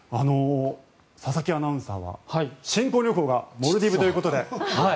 佐々木アナウンサーは新婚旅行がモルディブということで。